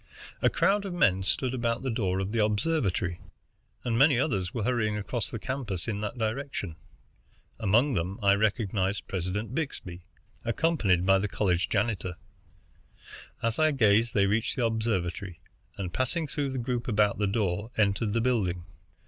A crowd of men stood about the door of the observatory, and many others were hurrying across the campus in that direction. Among them I recognized President Byxbee, accompanied by the college janitor. As I gazed they reached the observatory, and, passing through the group about the door, entered the building.